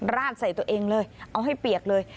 ราดใส่ตัวเองเลยเอาให้เปียกเลย